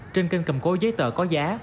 trên kênh cầm cố giấy tờ có giá